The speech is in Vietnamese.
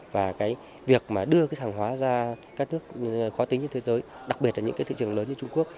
và việc đưa hàng hóa ra các nước khó tính trên thế giới đặc biệt là những thị trường lớn như trung quốc